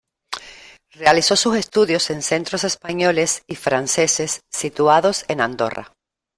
Realizó sus estudios en centros españoles y franceses situados en Andorra.